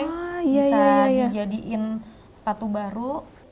bisa dijadiin sepatu baru